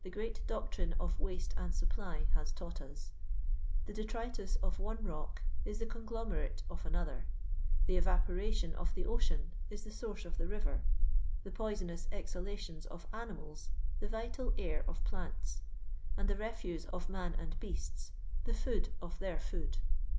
great doctrine of waste and supply has taught us ; the detritus of one rock is the con glomerate of another; the oTaporation of the ocean is the source of the rirer; the poisonous exhalations of animals the rital air of plants ; and the refuse of man and beasts the food of their food.